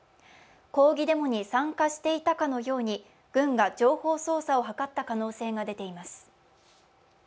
抗議デモに参加していたかのように軍が情報操作を図った可能性が出ています。